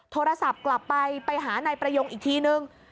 โทรศัพท์กลับไปไปหานายประยงอีกทีนึง